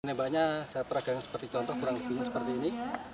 nembaknya saya peragakan seperti contoh kurang lebih seperti ini